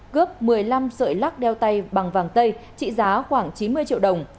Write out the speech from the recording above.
cướp một mươi năm sợi lắc đeo tay bằng vàng tây trị giá khoảng chín mươi triệu đồng